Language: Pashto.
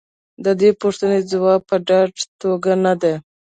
د دې پوښتنې ځواب په ډاډه توګه نه دی.